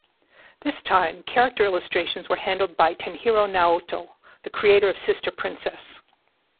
This time, character illustrations were handled by Tenhiro Naoto, the creator of "Sister Princess".